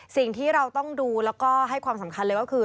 สิ่งที่เราต้องดูแล้วก็ให้ความสำคัญเลยก็คือ